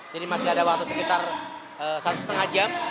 jadi masih ada waktu sekitar satu setengah jam